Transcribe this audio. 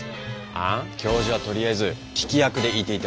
あん？教授はとりあえず聞き役でいていただければ。